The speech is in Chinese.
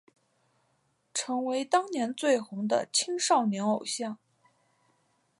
成为当年最红的青少年偶像。